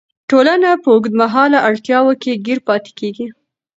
ټولنه په اوږدمهاله اړتیاوو کې ګیر پاتې کیږي.